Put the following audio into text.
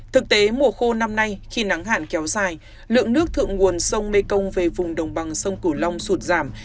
thực tế mùa khô năm nay khi nắng hạn kéo dài lượng nước thượng nguồn sông mekong về vùng đồng bằng sông kiều long sụt giảm